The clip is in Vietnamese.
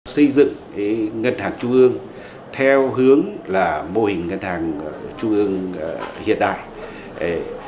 xây dựng ngân hàng trung ương theo hướng là mô hình ngân hàng trung ương hiện đại